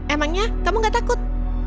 emangnya kamu nggak takut